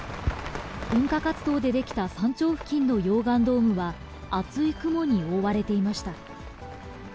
噴火活動で出来た山頂付近の溶岩ドームは、厚い雲に覆われていました。